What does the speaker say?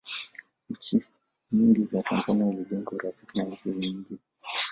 nchi nyingi za tanzania ilijenga urafiki na nchi nyingine